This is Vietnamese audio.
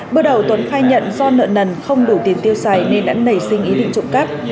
bước đầu tuấn khai nhận do nợ nần không đủ tiền tiêu xài nên đã nảy sinh ý định trộm cắp